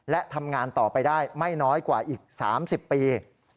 และทำงานต่อไปได้ไม่น้อยกว่าอีก๓๐ปี